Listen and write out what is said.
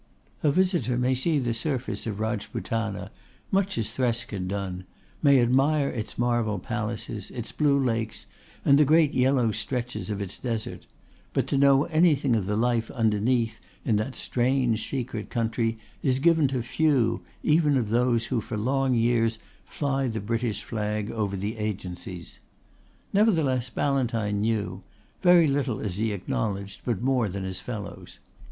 A visitor may see the surface of Rajputana much as Thresk had done, may admire its marble palaces, its blue lakes and the great yellow stretches of its desert, but to know anything of the life underneath in that strange secret country is given to few even of those who for long years fly the British flag over the Agencies. Nevertheless Ballantyne knew very little as he acknowledged but more than his fellows.